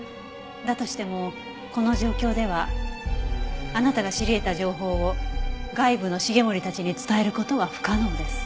だとしてもこの状況ではあなたが知り得た情報を外部の繁森たちに伝える事は不可能です。